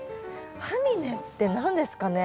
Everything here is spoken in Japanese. ハミネって何ですかね？